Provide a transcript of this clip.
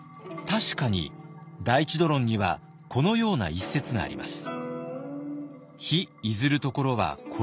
確かに「大智度論」にはこのような一節があります。